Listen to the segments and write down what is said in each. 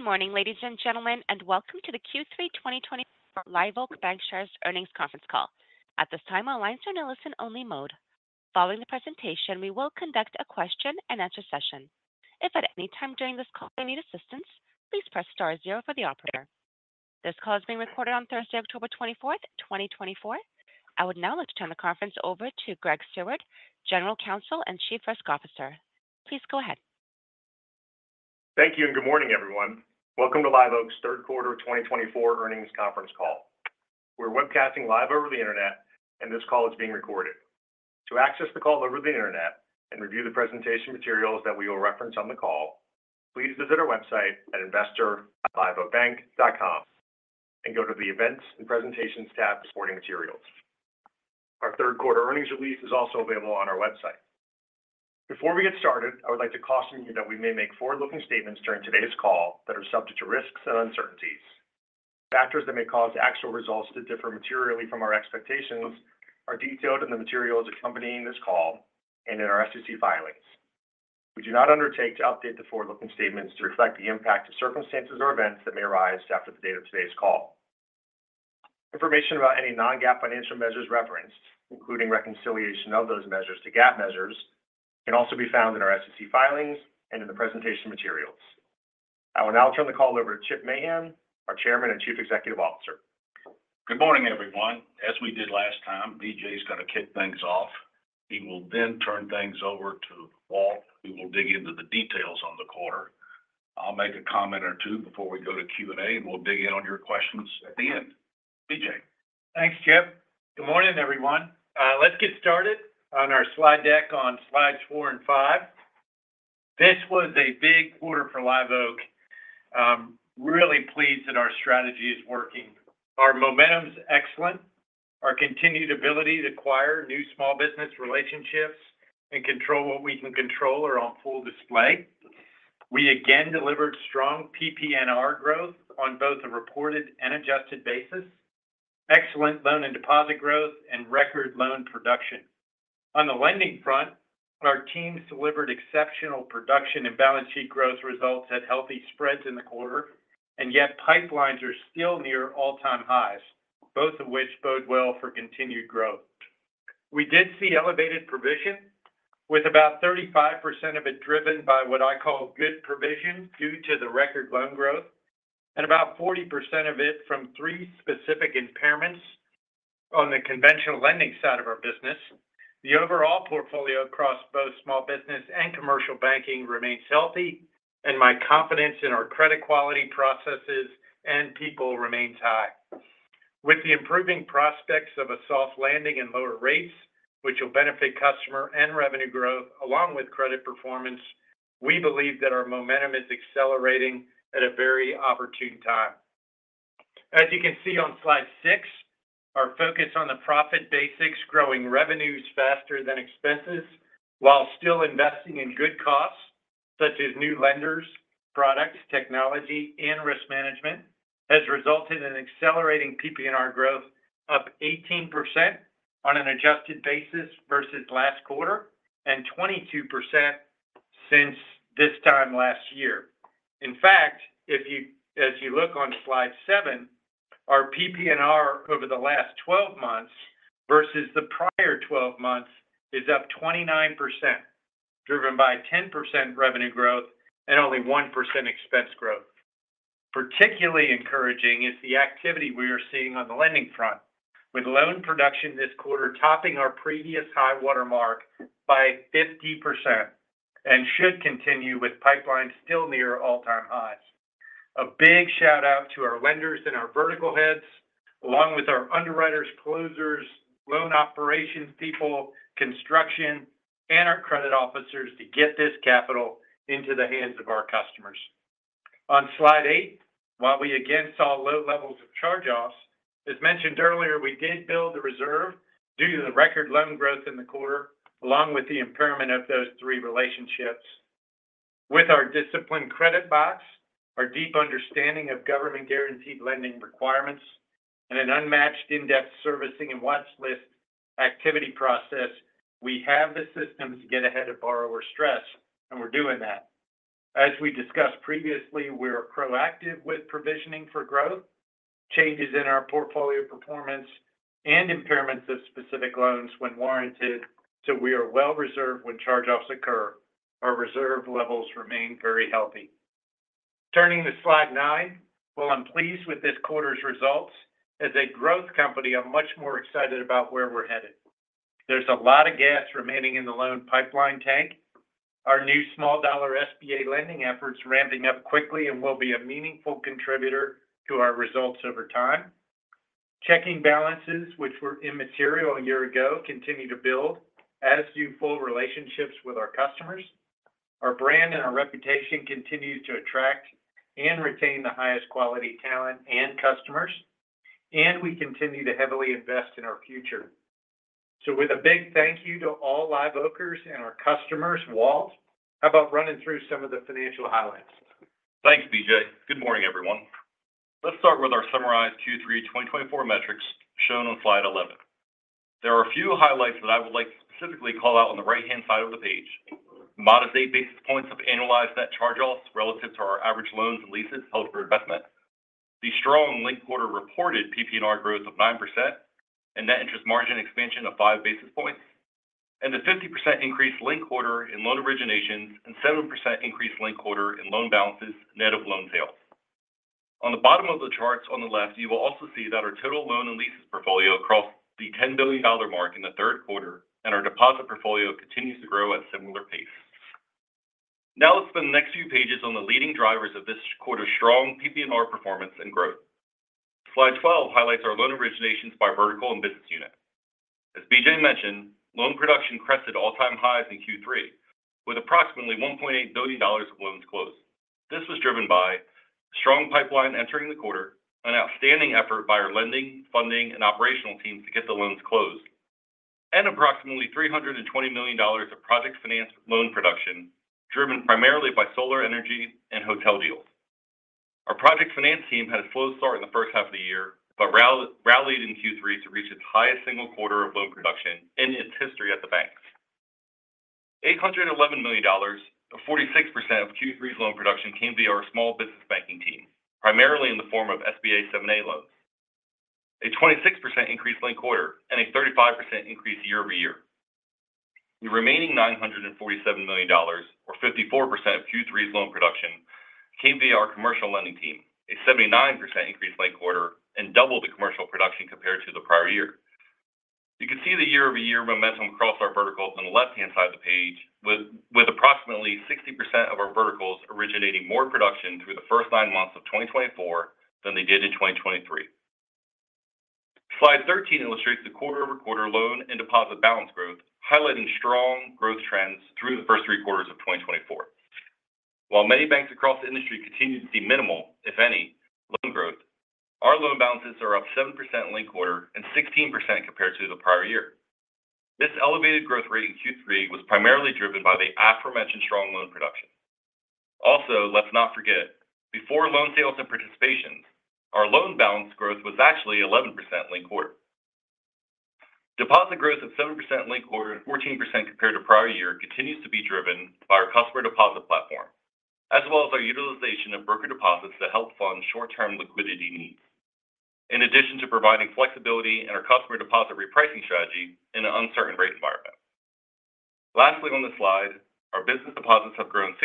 Good morning, ladies and gentlemen, and welcome to the Q3 2024 Live Oak Bancshares Earnings Conference call. At this time, our lines are in a listen-only mode. Following the presentation, we will conduct a question-and-answer session. If at any time during this call you need assistance, please press star zero for the operator. This call is being recorded on Thursday, October 24, 2024. I would now like to turn the conference over to Greg Seward, General Counsel and Chief Risk Officer. Please go ahead. Thank you, and good morning, everyone. Welcome to Live Oak's third quarter of twenty twenty-four earnings conference call. We're webcasting live over the internet, and this call is being recorded. To access the call over the internet and review the presentation materials that we will reference on the call, please visit our website at investor.liveoakbank.com and go to the Events and Presentations tab for supporting materials. Our third quarter earnings release is also available on our website. Before we get started, I would like to caution you that we may make forward-looking statements during today's call that are subject to risks and uncertainties. Factors that may cause actual results to differ materially from our expectations are detailed in the materials accompanying this call and in our SEC filings. We do not undertake to update the forward-looking statements to reflect the impact of circumstances or events that may arise after the date of today's call. Information about any non-GAAP financial measures referenced, including reconciliation of those measures to GAAP measures, can also be found in our SEC filings and in the presentation materials. I will now turn the call over to Chip Mahan, our Chairman and Chief Executive Officer. Good morning, everyone. As we did last time, BJ's gonna kick things off. He will then turn things over to Walt, who will dig into the details on the quarter. I'll make a comment or two before we go to Q&A, and we'll dig in on your questions at the end. BJ? Thanks, Chip. Good morning, everyone. Let's get started on our slide deck on slides four and five. This was a big quarter for Live Oak. Really pleased that our strategy is working. Our momentum is excellent. Our continued ability to acquire new small business relationships and control what we can control are on full display. We again delivered strong PPNR growth on both a reported and adjusted basis, excellent loan and deposit growth, and record loan production. On the lending front, our team delivered exceptional production and balance sheet growth results at healthy spreads in the quarter, and yet pipelines are still near all-time highs, both of which bode well for continued growth. We did see elevated provision, with about 35% of it driven by what I call good provision due to the record loan growth, and about 40% of it from three specific impairments on the conventional lending side of our business. The overall portfolio across both small business and commercial banking remains healthy, and my confidence in our credit quality processes and people remains high. With the improving prospects of a soft landing and lower rates, which will benefit customer and revenue growth, along with credit performance, we believe that our momentum is accelerating at a very opportune time. As you can see on slide six, our focus on the profit basics, growing revenues faster than expenses, while still investing in good costs, such as new lenders, products, technology, and risk management, has resulted in accelerating PPNR growth up 18% on an adjusted basis versus last quarter and 22% since this time last year. In fact, as you look on slide seven, our PPNR over the last twelve months versus the prior twelve months is up 29%, driven by 10% revenue growth and only 1% expense growth. Particularly encouraging is the activity we are seeing on the lending front, with loan production this quarter topping our previous high-water mark by 50% and should continue with pipelines still near all-time highs. A big shout-out to our lenders and our vertical heads, along with our underwriters, closers, loan operations people, construction, and our credit officers to get this capital into the hands of our customers. On slide eight, while we again saw low levels of charge-offs, as mentioned earlier, we did build the reserve due to the record loan growth in the quarter, along with the impairment of those three relationships. With our disciplined credit box, our deep understanding of government-guaranteed lending requirements, and an unmatched in-depth servicing and watchlist activity process, we have the systems to get ahead of borrower stress, and we're doing that. As we discussed previously, we are proactive with provisioning for growth, changes in our portfolio performance, and impairments of specific loans when warranted, so we are well reserved when charge-offs occur. Our reserve levels remain very healthy. Turning to slide nine, while I'm pleased with this quarter's results, as a growth company, I'm much more excited about where we're headed. There's a lot of gas remaining in the loan pipeline tank. Our new small dollar SBA lending efforts are ramping up quickly and will be a meaningful contributor to our results over time. Checking balances, which were immaterial a year ago, continue to build, as do full relationships with our customers. Our brand and our reputation continue to attract and retain the highest quality talent and customers, and we continue to heavily invest in our future. So with a big thank you to all Live Oakers and our customers, Walt, how about running through some of the financial highlights? Thanks, BJ. Good morning.... with our summarized Q3 2024 metrics shown on slide eleven. There are a few highlights that I would like to specifically call out on the right-hand side of the page. Modest eight basis points of annualized net charge-offs relative to our average loans and leases held for investment. The strong linked quarter reported PPNR growth of 9% and net interest margin expansion of five basis points, and a 50% increase linked quarter in loan originations, and 7% increase linked quarter in loan balances, net of loan sales. On the bottom of the charts on the left, you will also see that our total loan and leases portfolio crossed the $10 billion mark in the third quarter, and our deposit portfolio continues to grow at similar pace. Now, let's spend the next few pages on the leading drivers of this quarter's strong PPNR performance and growth. Slide 12 highlights our loan originations by vertical and business unit. As BJ mentioned, loan production crested all-time highs in Q3, with approximately $1.8 billion of loans closed. This was driven by a strong pipeline entering the quarter, an outstanding effort by our lending, funding, and operational teams to get the loans closed, and approximately $320 million of project finance loan production, driven primarily by solar energy and hotel deals. Our project finance team had a slow start in the first half of the year, but rallied in Q3 to reach its highest single quarter of loan production in its history at the banks. $811 million, or 46% of Q3's loan production, came via our small business banking team, primarily in the form of SBA 7(a) loans. A 26% increase linked quarter and a 35% increase year-over-year. The remaining $947 million, or 54% of Q3's loan production, came via our commercial lending team, a 79% increase linked quarter and double the commercial production compared to the prior year. You can see the year-over-year momentum across our verticals on the left-hand side of the page, with approximately 60% of our verticals originating more production through the first nine months of 2024 than they did in 2023. Slide 13 illustrates the quarter-over-quarter loan and deposit balance growth, highlighting strong growth trends through the first three quarters of 2024. While many banks across the industry continue to see minimal, if any, loan growth, our loan balances are up 7% linked quarter and 16% compared to the prior year. This elevated growth rate in Q3 was primarily driven by the aforementioned strong loan production. Also, let's not forget, before loan sales and participations, our loan balance growth was actually 11% linked quarter. Deposit growth of 7% linked quarter, and 14% compared to prior year, continues to be driven by our customer deposit platform, as well as our utilization of broker deposits to help fund short-term liquidity needs, in addition to providing flexibility in our customer deposit repricing strategy in an uncertain rate environment. Lastly, on this slide, our business deposits have grown 6%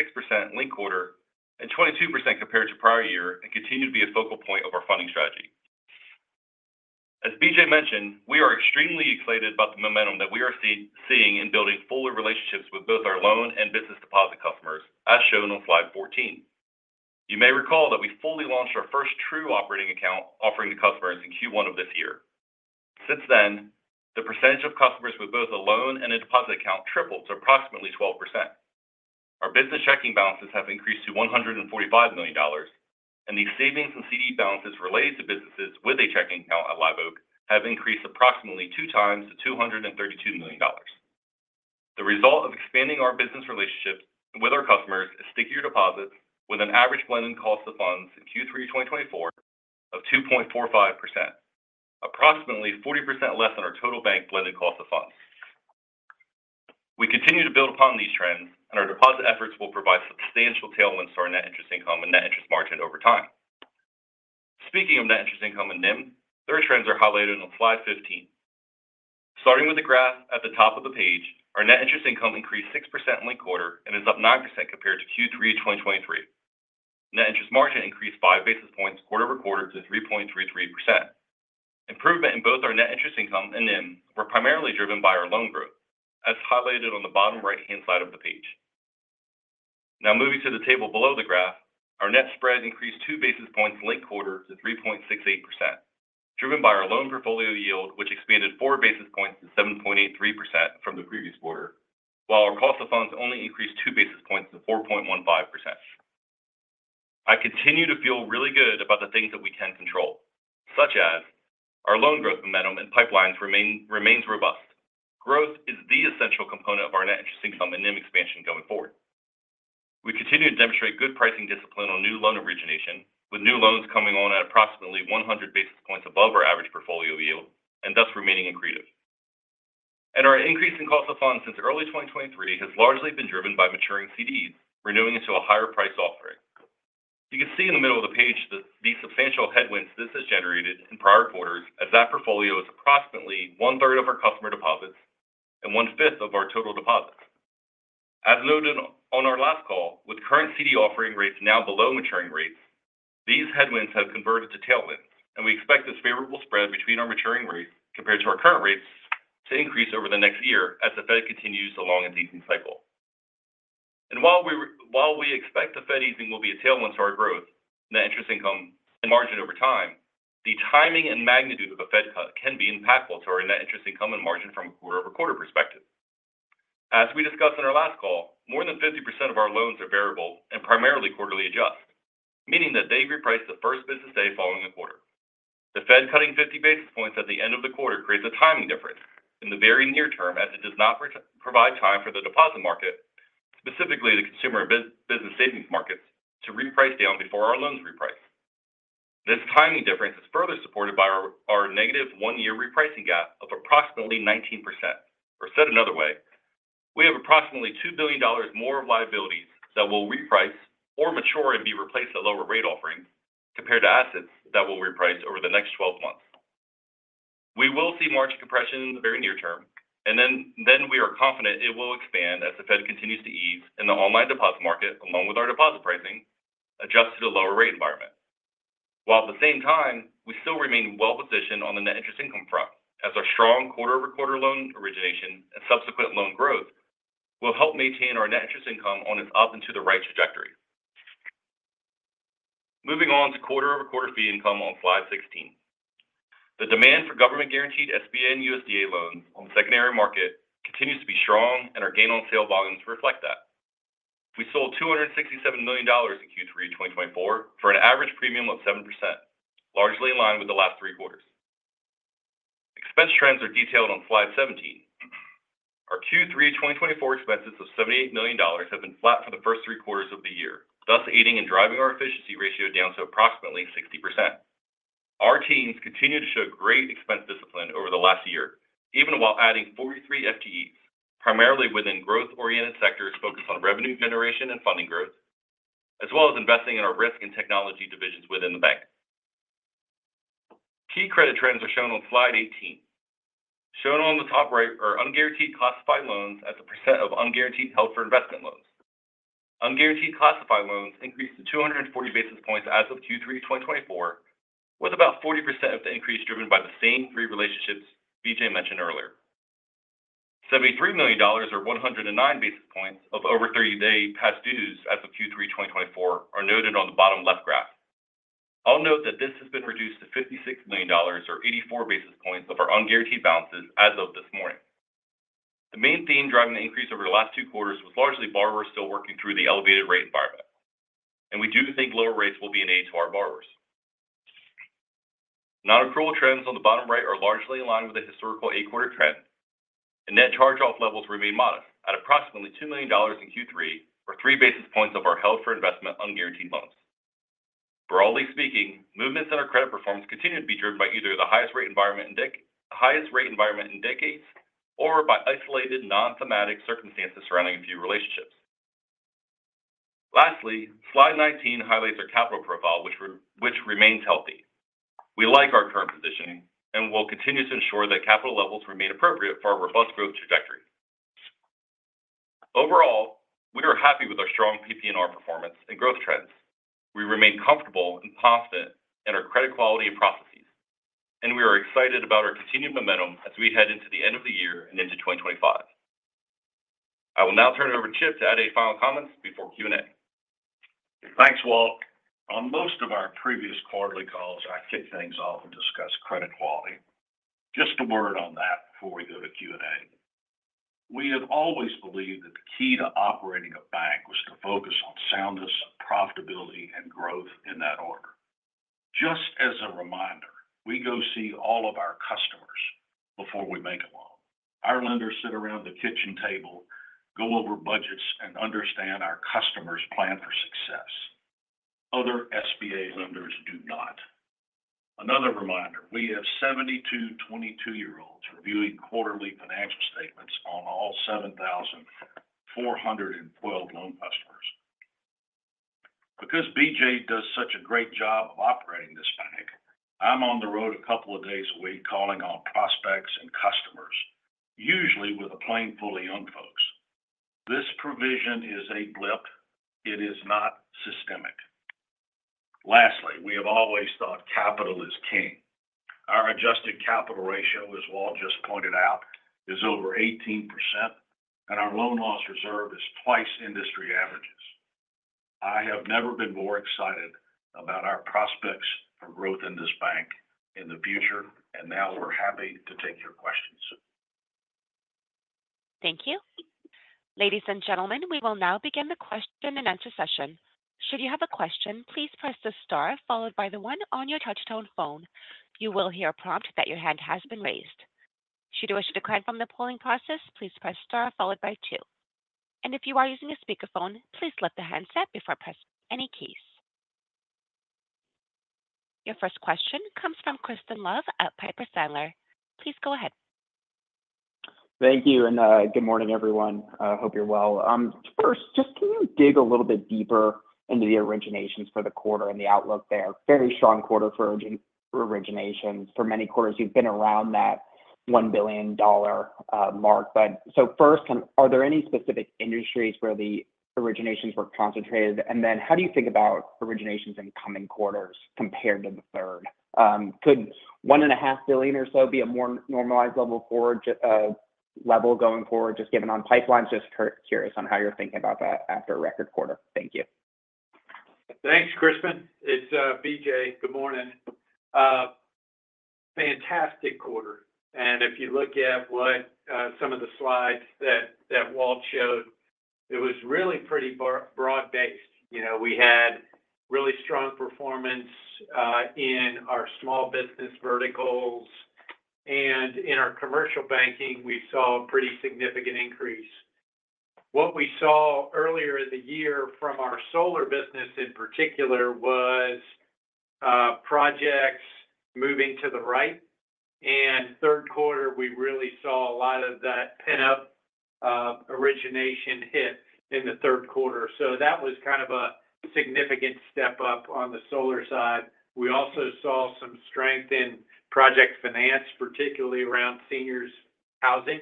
linked quarter and 22% compared to prior year and continue to be a focal point of our funding strategy. As BJ mentioned, we are extremely excited about the momentum that we are seeing in building fuller relationships with both our loan and business deposit customers, as shown on slide 14. You may recall that we fully launched our first true operating account offering to customers in Q1 of this year. Since then, the percentage of customers with both a loan and a deposit account tripled to approximately 12%. Our business checking balances have increased to $145 million, and the savings in CD balances related to businesses with a checking account at Live Oak have increased approximately two times to $232 million. The result of expanding our business relationships with our customers is stickier deposits with an average blended cost of funds in Q3 2024 of 2.45%, approximately 40% less than our total bank blended cost of funds. We continue to build upon these trends, and our deposit efforts will provide substantial tailwinds to our net interest income and net interest margin over time. Speaking of net interest income and NIM, their trends are highlighted on slide 15. Starting with the graph at the top of the page, our net interest income increased 6% linked quarter and is up 9% compared to Q3 2023. Net interest margin increased five basis points quarter over quarter to 3.33%. Improvement in both our net interest income and NIM were primarily driven by our loan growth, as highlighted on the bottom right-hand side of the page. Now, moving to the table below the graph, our net spread increased two basis points linked quarter to 3.68%, driven by our loan portfolio yield, which expanded four basis points to 7.83% from the previous quarter, while our cost of funds only increased two basis points to 4.15%. I continue to feel really good about the things that we can control, such as our loan growth momentum and pipelines remains robust. Growth is the essential component of our net interest income and NIM expansion going forward. We continue to demonstrate good pricing discipline on new loan origination, with new loans coming on at approximately one hundred basis points above our average portfolio yield and thus remaining accretive. And our increase in cost of funds since early 2023 has largely been driven by maturing CDs, renewing into a higher price offering. You can see in the middle of the page that the substantial headwinds this has generated in prior quarters as that portfolio is approximately one-third of our customer deposits and one-fifth of our total deposits. As noted on our last call, with current CD offering rates now below maturing rates, these headwinds have converted to tailwinds, and we expect this favorable spread between our maturing rates compared to our current rates to increase over the next year as the Fed continues the long and easing cycle, and while we expect the Fed easing will be a tailwind to our growth, net interest income and margin over time, the timing and magnitude of a Fed cut can be impactful to our net interest income and margin from a quarter over quarter perspective. As we discussed on our last call, more than 50% of our loans are variable and primarily quarterly adjust, meaning that they reprice the first business day following the quarter. The Fed cutting 50 basis points at the end of the quarter creates a timing difference in the very near term, as it does not provide time for the deposit market, specifically the consumer and business savings markets, to reprice down before our loans reprice. This timing difference is further supported by our negative one-year repricing gap of approximately 19%. Or said another way, we have approximately $2 billion more of liabilities that will reprice or mature and be replaced at lower rate offerings, compared to assets that will reprice over the next twelve months. We will see margin compression in the very near term, and then we are confident it will expand as the Fed continues to ease in the online deposit market, along with our deposit pricing, adjust to the lower rate environment. While at the same time, we still remain well positioned on the net interest income front, as our strong quarter-over-quarter loan origination and subsequent loan growth will help maintain our net interest income on its up into the right trajectory. Moving on to quarter-over-quarter fee income on slide 16. The demand for government-guaranteed SBA and USDA loans on the secondary market continues to be strong, and our gain on sale volumes reflect that. We sold $267 million in Q3 2024 for an average premium of 7%, largely in line with the last three quarters. Expense trends are detailed on slide 17. Our Q3 2024 expenses of $78 million have been flat for the first three quarters of the year, thus aiding and driving our efficiency ratio down to approximately 60%. Our teams continued to show great expense discipline over the last year, even while adding 43 FTEs, primarily within growth-oriented sectors focused on revenue generation and funding growth, as well as investing in our risk and technology divisions within the bank. Key credit trends are shown on slide 18. Shown on the top right are unguaranteed classified loans as a % of unguaranteed held for investment loans. Unguaranteed classified loans increased to 240 basis points as of Q3 2024, with about 40% of the increase driven by the same three relationships BJ mentioned earlier. $73 million or 109 basis points of over 30-day past dues as of Q3 2024 are noted on the bottom left graph. I'll note that this has been reduced to $56 million or 84 basis points of our unguaranteed balances as of this morning. The main theme driving the increase over the last two quarters was largely borrowers still working through the elevated rate environment, and we do think lower rates will be an aid to our borrowers. Non-accrual trends on the bottom right are largely in line with the historical eight-quarter trend, and net charge-off levels remain modest at approximately $2 million in Q3, or three basis points of our held for investment unguaranteed loans. Broadly speaking, movements in our credit performance continue to be driven by either the highest rate environment in decades, or by isolated, non-thematic circumstances surrounding a few relationships. Lastly, slide nineteen highlights our capital profile, which remains healthy. We like our current positioning and will continue to ensure that capital levels remain appropriate for our robust growth trajectory. Overall, we are happy with our strong PPNR performance and growth trends. We remain comfortable and confident in our credit quality and processes, and we are excited about our continued momentum as we head into the end of the year and into 2025. I will now turn it over to Chip to add any final comments before Q&A. Thanks, Walt. On most of our previous quarterly calls, I kick things off and discuss credit quality. Just a word on that before we go to Q&A. We have always believed that the key to operating a bank was to focus on soundness, profitability, and growth in that order. Just as a reminder, we go see all of our customers before we make a loan. Our lenders sit around the kitchen table, go over budgets, and understand our customers' plan for success. Other SBA lenders do not. Another reminder, we have 72 22-year-olds reviewing quarterly financial statements on all 7,412 loan customers. Because BJ does such a great job of operating this bank, I'm on the road a couple of days a week, calling on prospects and customers, usually with a plane full of young folks. This provision is a blip. It is not systemic. Lastly, we have always thought capital is king. Our adjusted capital ratio, as Walt just pointed out, is over 18%, and our loan loss reserve is twice industry averages. I have never been more excited about our prospects for growth in this bank in the future, and now we're happy to take your questions. Thank you. Ladies and gentlemen, we will now begin the question and answer session. Should you have a question, please press the star followed by the one on your touchtone phone. You will hear a prompt that your hand has been raised. Should you wish to decline from the polling process, please press star followed by two. If you are using a speakerphone, please lift the handset before pressing any keys. Your first question comes from Crispin Love at Piper Sandler. Please go ahead. Thank you, and good morning, everyone. Hope you're well. First, just can you dig a little bit deeper into the originations for the quarter and the outlook there? Very strong quarter for originations. For many quarters, you've been around that $1 billion mark. But so first, are there any specific industries where the originations were concentrated? And then how do you think about originations in coming quarters compared to the third? Could $1.5 billion or so be a more normalized level forward, level going forward, just given on pipelines? Just curious on how you're thinking about that after a record quarter. Thank you. Thanks, Crispin. It's BJ. Good morning.... fantastic quarter. And if you look at what, some of the slides that Walt showed, it was really pretty broad-based. You know, we had really strong performance in our small business verticals, and in our commercial banking, we saw a pretty significant increase. What we saw earlier in the year from our solar business in particular, was projects moving to the right, and third quarter, we really saw a lot of that pent-up origination hit in the third quarter. So that was kind of a significant step up on the solar side. We also saw some strength in project finance, particularly around seniors housing,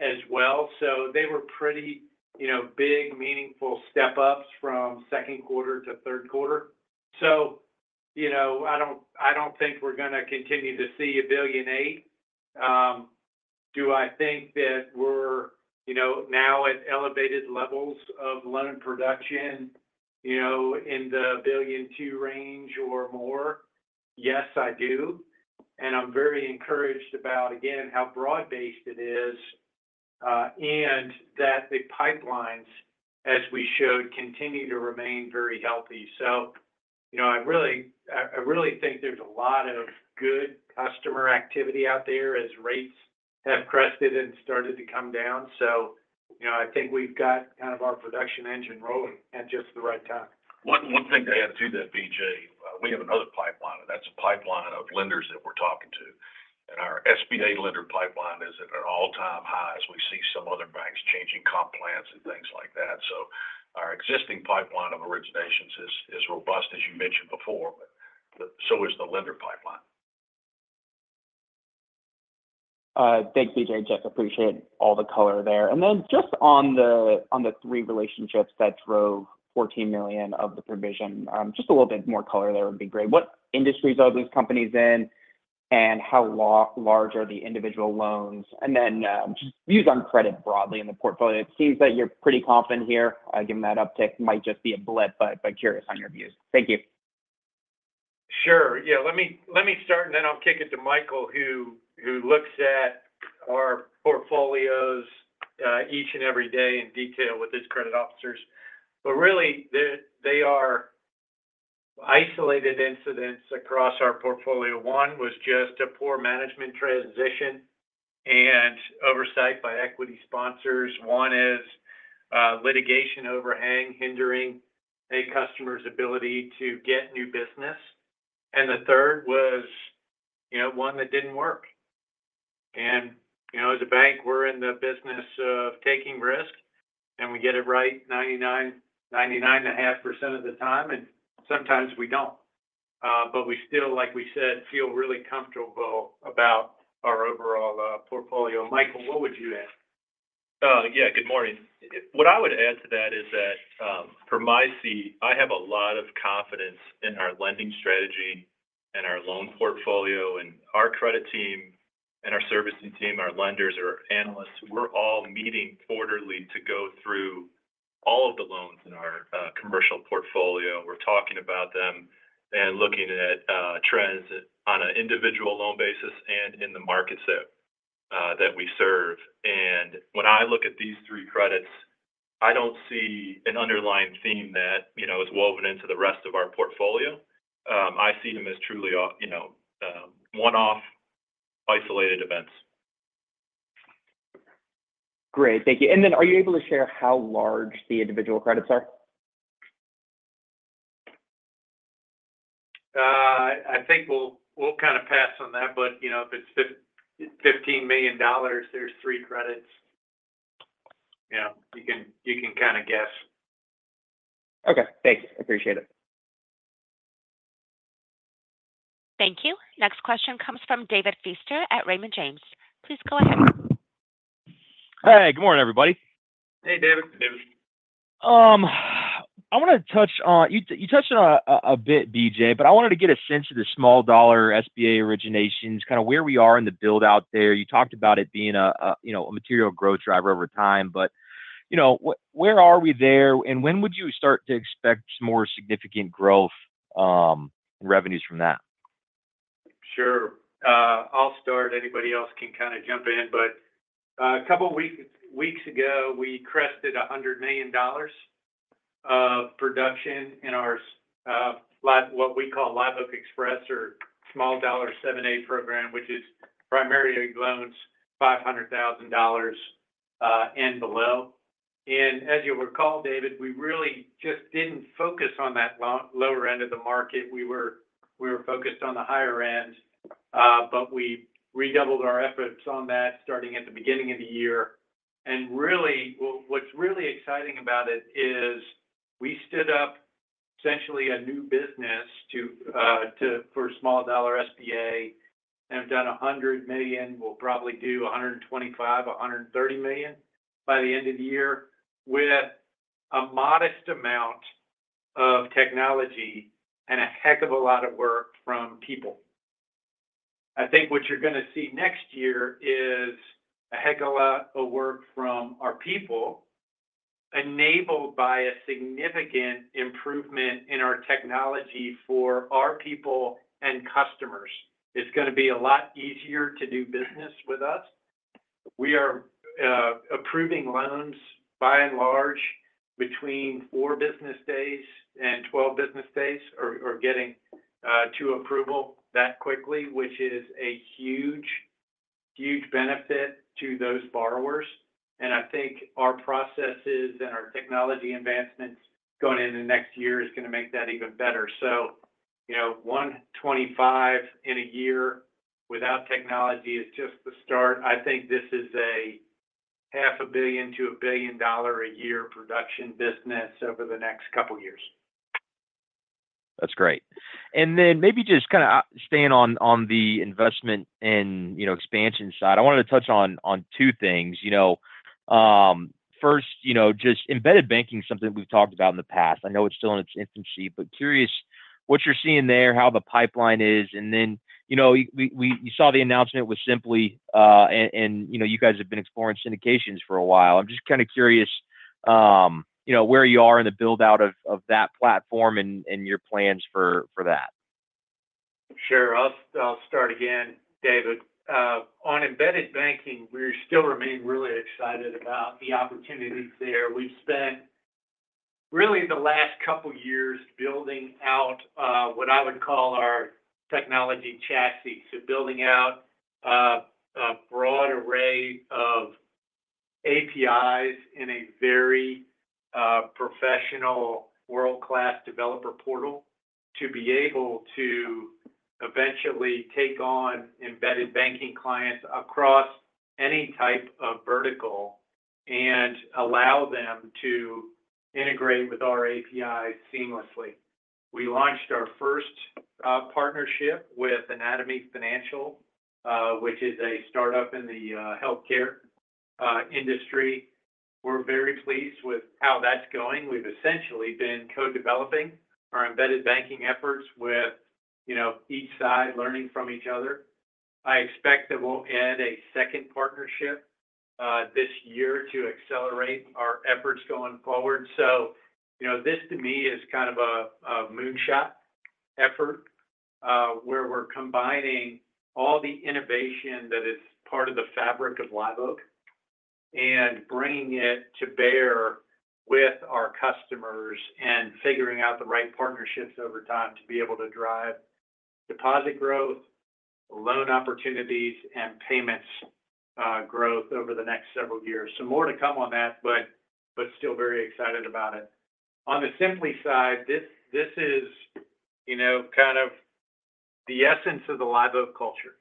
as well. So they were pretty, you know, big, meaningful step-ups from second quarter to third quarter. So, you know, I don't think we're gonna continue to see a billion eight. Do I think that we're, you know, now at elevated levels of loan production, you know, in the $1.2 billion range or more? Yes, I do, and I'm very encouraged about, again, how broad-based it is, and that the pipelines, as we showed, continue to remain very healthy. You know, I really think there's a lot of good customer activity out there as rates have crested and started to come down. You know, I think we've got kind of our production engine rolling at just the right time. One thing to add to that, BJ, we have another pipeline, and that's a pipeline of lenders that we're talking to. And our SBA lender pipeline is at an all-time high as we see some other banks changing comp plans and things like that. So our existing pipeline of originations is robust, as you mentioned before, but so is the lender pipeline. Thanks, BJ and Chip, appreciate all the color there. Then just on the three relationships that drove $14 million of the provision, just a little bit more color there would be great. What industries are those companies in, and how large are the individual loans? Then just views on credit broadly in the portfolio. It seems that you're pretty confident here, given that uptick. Might just be a blip, but curious on your views. Thank you. Sure. Yeah, let me start, and then I'll kick it to Michael, who looks at our portfolios each and every day in detail with his credit officers. But really, they are isolated incidents across our portfolio. One was just a poor management transition and oversight by equity sponsors. One is litigation overhang hindering a customer's ability to get new business. And the third was, you know, one that didn't work. And, you know, as a bank, we're in the business of taking risk, and we get it right 99, 99.5% of the time, and sometimes we don't. But we still, like we said, feel really comfortable about our overall portfolio. Michael, what would you add? Yeah, good morning. What I would add to that is that, from my seat, I have a lot of confidence in our lending strategy and our loan portfolio. And our credit team and our servicing team, our lenders, our analysts, we're all meeting quarterly to go through all of the loans in our commercial portfolio. We're talking about them and looking at trends on an individual loan basis and in the markets that we serve. And when I look at these three credits, I don't see an underlying theme that, you know, is woven into the rest of our portfolio. I see them as truly, you know, one-off isolated events. Great. Thank you. And then, are you able to share how large the individual credits are? I think we'll kind of pass on that, but, you know, if it's $15 million, there's three credits. You know, you can kind of guess. Okay. Thank you. Appreciate it. Thank you. Next question comes from David Feaster at Raymond James. Please go ahead. Hey, good morning, everybody. Hey, David. Hey, David. I want to touch on... You touched on it a bit, BJ, but I wanted to get a sense of the small dollar SBA originations, kind of where we are in the build-out there. You talked about it being a you know a material growth driver over time, but you know where are we there, and when would you start to expect more significant growth revenues from that? Sure. I'll start. Anybody else can kind of jump in, but a couple weeks ago, we crested $100 million of production in our what we call Live Oak Express or small dollar 7(a) program, which is primarily loans $500,000 and below, and as you'll recall, David, we really just didn't focus on that lower end of the market. We were focused on the higher end, but we redoubled our efforts on that starting at the beginning of the year, and really, well, what's really exciting about it is we stood up essentially a new business to for small dollar SBA and have done $100 million. We'll probably do $125-$130 million by the end of the year, with a modest amount of technology and a heck of a lot of work from people. I think what you're going to see next year is a heck of a lot of work from our people... enabled by a significant improvement in our technology for our people and customers. It's going to be a lot easier to do business with us. We are approving loans by and large, between 4 business days and 12 business days, or getting to approval that quickly, which is a huge, huge benefit to those borrowers. And I think our processes and our technology advancements going into the next year is going to make that even better. So, you know, 125 in a year without technology is just the start. I think this is a $500 million-$1 billion a year production business over the next couple of years. That's great. And then maybe just kinda staying on the investment and, you know, expansion side. I wanted to touch on two things. You know, first, you know, just embedded banking is something we've talked about in the past. I know it's still in its infancy, but curious what you're seeing there, how the pipeline is, and then, you know, you saw the announcement with Simpli, and you know, you guys have been exploring syndications for a while. I'm just kinda curious, you know, where you are in the build-out of that platform and your plans for that. Sure. I'll start again, David. On embedded banking, we still remain really excited about the opportunities there. We've spent really the last couple of years building out what I would call our technology chassis. So building out a broad array of APIs in a very professional world-class developer portal to be able to eventually take on embedded banking clients across any type of vertical and allow them to integrate with our API seamlessly. We launched our first partnership with Anatomy Financial, which is a start-up in the healthcare industry. We're very pleased with how that's going. We've essentially been co-developing our embedded banking efforts with, you know, each side learning from each other. I expect that we'll add a second partnership this year to accelerate our efforts going forward. So, you know, this to me is kind of a moonshot effort, where we're combining all the innovation that is part of the fabric of Live Oak and bringing it to bear with our customers, and figuring out the right partnerships over time to be able to drive deposit growth, loan opportunities, and payments growth over the next several years. So more to come on that, but still very excited about it. On the Simplii side, this is, you know, kind of the essence of the Live Oak culture.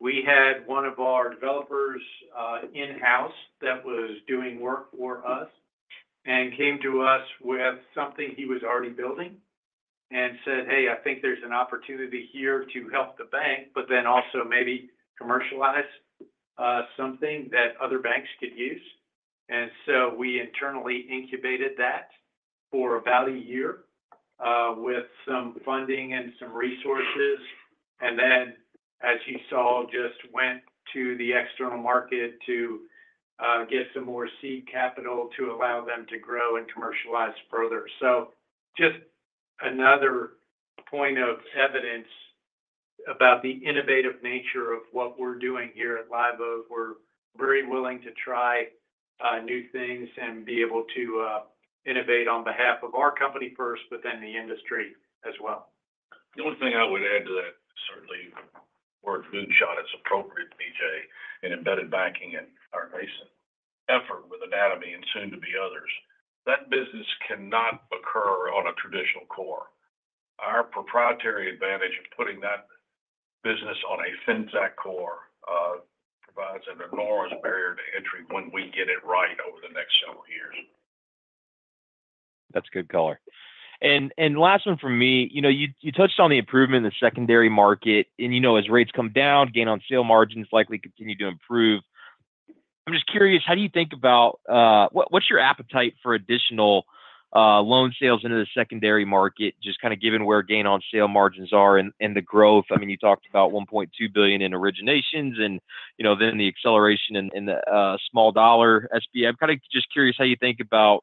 We had one of our developers, in-house that was doing work for us and came to us with something he was already building and said, "Hey, I think there's an opportunity here to help the bank, but then also maybe commercialize, something that other banks could use," and so we internally incubated that for about a year, with some funding and some resources, and then, as you saw, just went to the external market to, get some more seed capital to allow them to grow and commercialize further, so just another point of evidence about the innovative nature of what we're doing here at Live Oak. We're very willing to try, new things and be able to, innovate on behalf of our company first, but then the industry as well. The only thing I would add to that, certainly the word moonshot is appropriate, BJ, in embedded banking and our recent effort with Anatomy and soon to be others. That business cannot occur on a traditional core. Our proprietary advantage of putting that business on a FinTech core provides an enormous barrier to entry when we get it right over the next several years. That's good color. And last one from me. You know, you touched on the improvement in the secondary market, and, you know, as rates come down, gain on sale margins likely continue to improve. I'm just curious, how do you think about what, what's your appetite for additional loan sales into the secondary market? Just kinda given where gain on sale margins are and the growth. I mean, you talked about $1.2 billion in originations and, you know, then the acceleration in the small dollar SBA. I'm kinda just curious how you think about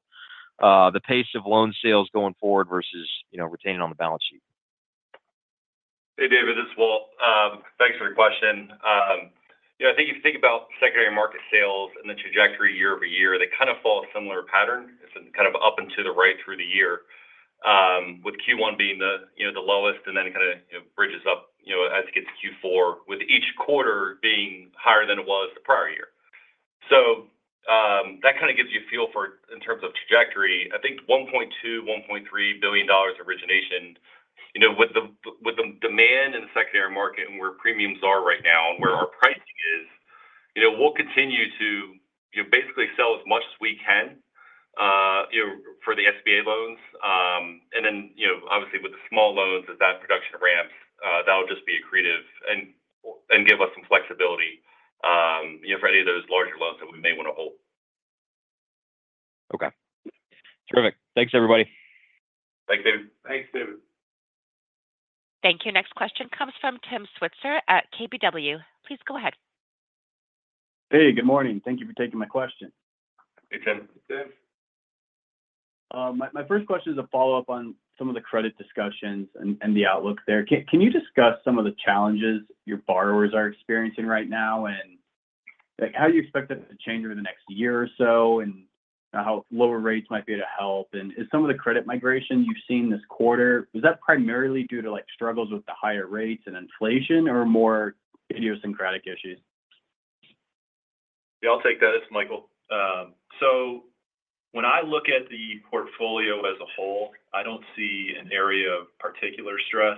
the pace of loan sales going forward versus, you know, retaining on the balance sheet. Hey, David, this is Walt. Thanks for your question. You know, I think if you think about secondary market sales and the trajectory year over year, they kind of follow a similar pattern. It's kind of up into the right through the year, with Q1 being the, you know, the lowest, and then it kinda, you know, bridges up, you know, as it gets to Q4, with each quarter being higher than it was the prior year. So, that kind of gives you a feel for in terms of trajectory. I think $1.2-$1.3 billion origination, you know, with the demand in the secondary market and where premiums are right now and where our pricing is, you know, we'll continue to basically sell as much as we can, for the SBA loans. And then, you know, obviously, with the small loans, as that production ramps, that will just be accretive and give us some flexibility, you know, for any of those larger loans that we may wanna hold. Okay. Terrific. Thanks, everybody. Thank you. Next question comes from Tim Switzer at KBW. Please go ahead. Hey, good morning. Thank you for taking my question. Hey, Tim. My first question is a follow-up on some of the credit discussions and the outlook there. Can you discuss some of the challenges your borrowers are experiencing right now, and, like, how do you expect that to change over the next year or so, and how lower rates might be able to help? And is some of the credit migration you've seen this quarter, was that primarily due to, like, struggles with the higher rates and inflation or more idiosyncratic issues? Yeah, I'll take that. It's Michael. So when I look at the portfolio as a whole, I don't see an area of particular stress.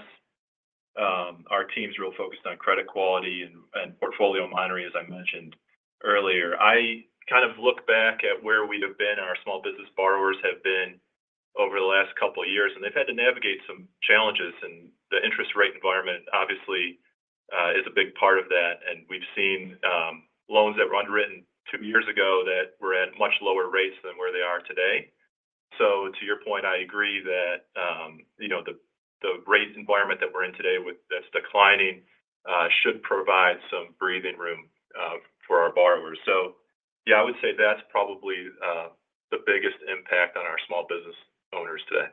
Our team's real focused on credit quality and portfolio monitoring, as I mentioned earlier. I kind of look back at where we have been and our small business borrowers have been over the last couple of years, and they've had to navigate some challenges, and the interest rate environment obviously is a big part of that. And we've seen loans that were underwritten two years ago that were at much lower rates than where they are today. So to your point, I agree that, you know, the rate environment that we're in today that's declining should provide some breathing room for our borrowers. So yeah, I would say that's probably the biggest impact on our small business owners today.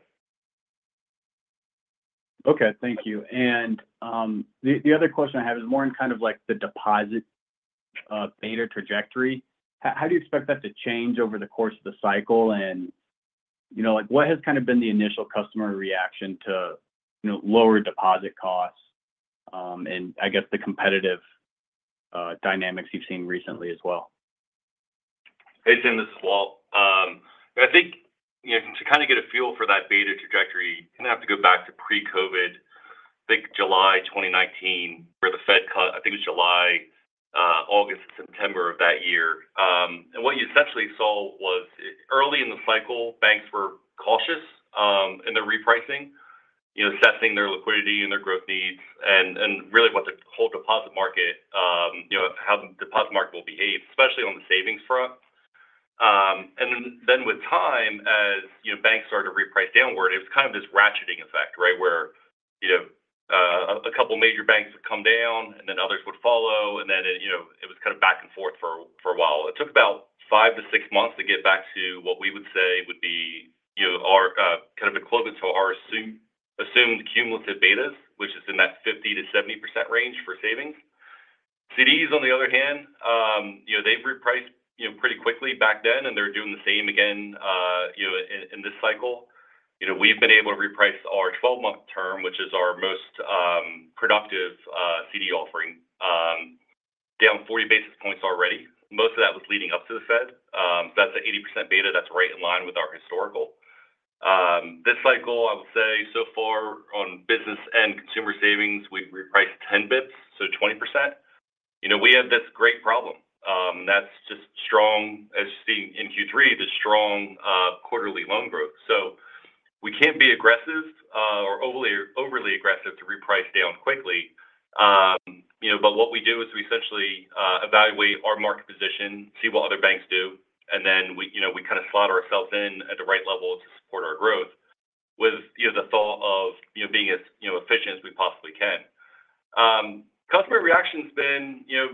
Okay. Thank you. And, the other question I have is more in kind of like the deposit beta trajectory. How do you expect that to change over the course of the cycle? And, you know, like, what has kind of been the initial customer reaction to, you know, lower deposit costs, and I guess the competitive dynamics you've seen recently as well? Hey, Tim, this is Walt. I think, you know, to kind of get a feel for that beta trajectory, you're going to have to go back to pre-COVID, I think July twenty nineteen, where the Fed cut. I think it was July, August, September of that year, and what you essentially saw was, early in the cycle, banks were cautious in their repricing, you know, assessing their liquidity and their growth needs and really what the whole deposit market, you know, how the deposit market will behave, especially on the savings front. And then with time, as, you know, banks started to reprice downward, it was kind of this ratcheting effect, right? Where, you know, a couple major banks would come down, and then others would follow, and then it, you know, it was kind of back and forth for a while. It took about five to six months to get back to what we would say would be, you know, our kind of equivalent to our assumed cumulative betas, which is in that 50%-70% range for savings. CDs, on the other hand, you know, they've repriced, you know, pretty quickly back then, and they're doing the same again, you know, in this cycle. You know, we've been able to reprice our 12-month term, which is our most productive CD offering, down 40 basis points already. Most of that was leading up to the Fed. That's an 80% beta that's right in line with our historical. This cycle, I would say so far on business and consumer savings, we've repriced 10 basis points, so 20%. You know, we have this great problem, that's just strong, as you're seeing in Q3, the strong quarterly loan growth. So we can't be aggressive or overly, overly aggressive to reprice down quickly. You know, but what we do is we essentially evaluate our market position, see what other banks do, and then we, you know, we kind of slot ourselves in at the right level to support our growth with, you know, the thought of, you know, being as, you know, efficient as we possibly can. Customer reaction's been, you know,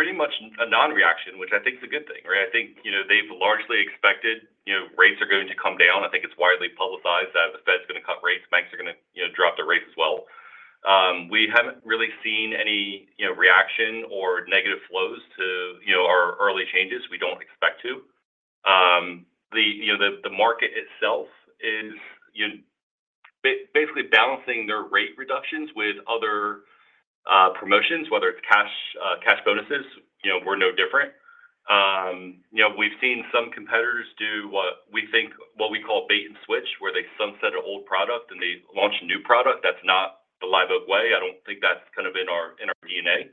pretty much a non-reaction, which I think is a good thing, right? I think, you know, they've largely expected, you know, rates are going to come down. I think it's widely publicized that the Fed's going to cut rates. Banks are going to, you know, drop their rates as well. We haven't really seen any, you know, reaction or negative flows to, you know, our early changes. We don't expect to. The market itself is basically balancing their rate reductions with other promotions, whether it's cash bonuses. You know, we're no different. You know, we've seen some competitors do what we call bait and switch, where they sunset an old product, and they launch a new product. That's not the Live Oak way. I don't think that's kind of in our DNA.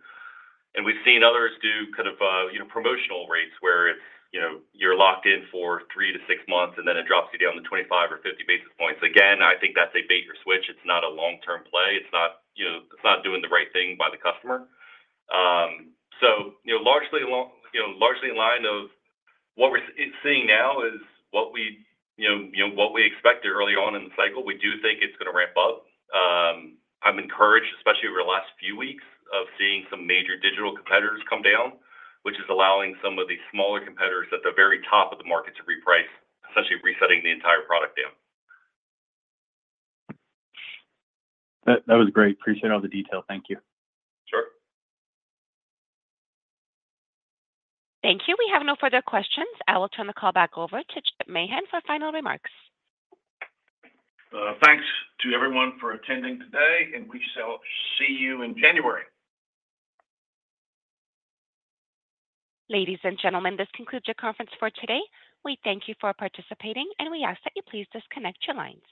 We've seen others do kind of, you know, promotional rates where it's, you know, you're locked in for three to six months, and then it drops you down to 25 or 50 basis points. Again, I think that's a bait or switch. It's not a long-term play. It's not, you know, it's not doing the right thing by the customer. So, you know, largely in line with what we're seeing now is what we, you know, what we expected early on in the cycle. We do think it's going to ramp up. I'm encouraged, especially over the last few weeks, of seeing some major digital competitors come down, which is allowing some of the smaller competitors at the very top of the market to reprice, essentially resetting the entire product down. That was great. Appreciate all the detail. Thank you. Sure. Thank you. We have no further questions. I will turn the call back over to Chip Mahan for final remarks. Thanks to everyone for attending today, and we shall see you in January. Ladies and gentlemen, this concludes your conference for today. We thank you for participating, and we ask that you please disconnect your lines.